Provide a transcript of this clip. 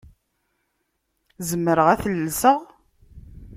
Zemreɣ ad t-llseɣ?